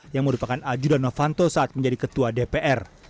yang merupakan ajur dan novanto saat menjadi ketua dpr